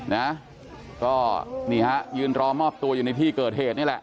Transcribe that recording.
นะก็นี่ฮะยืนรอมอบตัวอยู่ในที่เกิดเหตุนี่แหละ